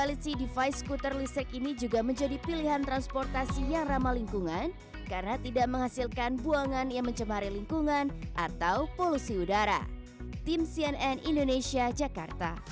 lc device scooter listrik ini juga menjadi pilihan transportasi yang ramah lingkungan karena tidak menghasilkan buangan yang mencemari lingkungan atau polusi udara